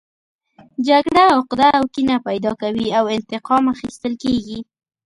جګړه عقده او کینه پیدا کوي او انتقام اخیستل کیږي